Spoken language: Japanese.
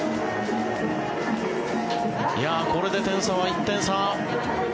これで点差は１点差。